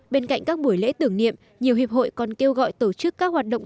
bên cạnh các buổi lễ tưởng niệm nhiều hiệp hội còn kêu gọi tổ chức các hoạt động